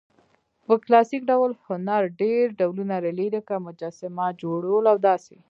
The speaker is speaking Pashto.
په کلاسیک ډول هنرډېر ډولونه لري؛ لکه: مجسمه، جوړول او داسي...